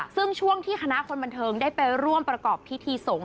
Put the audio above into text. ซึ่งช่วงที่คณะคนบันเทิงได้ไปร่วมประกอบพิธีสงฆ